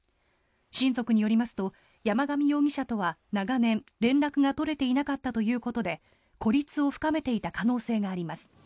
親族によりますと山上容疑者とは長年、連絡が取れていなかったということで孤立を深めていた可能性があります。